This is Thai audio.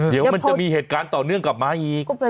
เดี๋ยวมันจะมีเหตุการณ์ต่อเนื่องกลับมาอีก